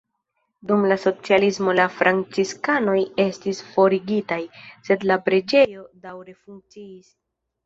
Dum la socialismo la franciskanoj estis forigitaj, sed la preĝejo daŭre funkciis.